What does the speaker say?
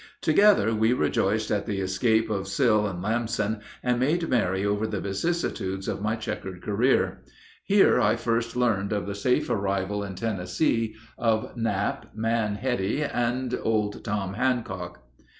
Together we rejoiced at the escape of Sill and Lamson, and made merry over the vicissitudes of my checkered career. Here I first learned of the safe arrival in Tennessee of Knapp, Man Heady, and old Tom Handcock.